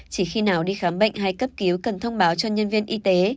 chỉ khi nào đi khám bệnh hay cấp cứu cần thông báo cho nhân viên y tế